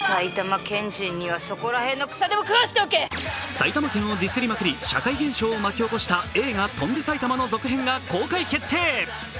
埼玉県をディすりまくり社会現象を巻き起こした映画「翔んで埼玉」の続編が公開決定。